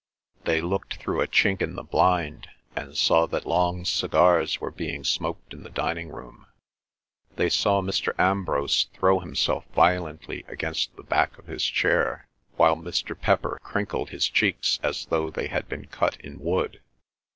They looked through a chink in the blind and saw that long cigars were being smoked in the dining room; they saw Mr. Ambrose throw himself violently against the back of his chair, while Mr. Pepper crinkled his cheeks as though they had been cut in wood.